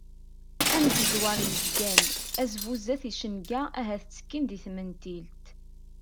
Angeẓwer yezgan, azbu sdat icenga ahat ttekkin di tmentilt.